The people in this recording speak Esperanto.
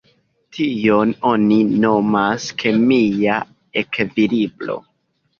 Tion oni nomas kemia ekvilibro.